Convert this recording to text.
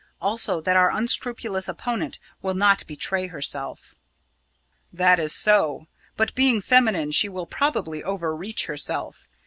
Also that our unscrupulous opponent will not betray herself!" "That is so but being feminine, she will probably over reach herself.